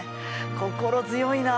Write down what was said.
心強いな。